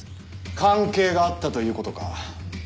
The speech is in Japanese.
関係があったという事か。